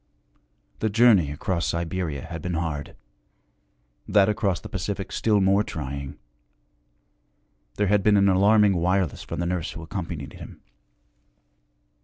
The journey across Siberia had been hard, that across the Pacific still more trying; there had been an alarming wireless from the nurse who accompanied him.